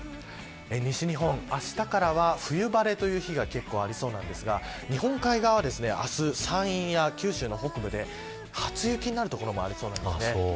西日本、あしたからは冬晴れが結構ありそうなんですが日本海側は明日山陰や九州の北部で初雪になる所もありそうなんですね。